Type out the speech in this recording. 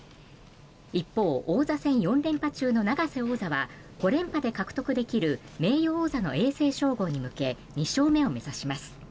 一方、王座戦４連覇中の永瀬王座は５連覇で獲得できる名誉王座の永世称号に向け２勝目を目指します。